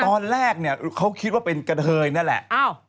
ตอนแรกเนี่ยเขาคิดว่าเป็นกระเทยนั่นแหละ